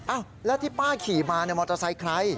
อ้าวแล้วที่ป้าขี่มามอเตอร์ไซค์ใคร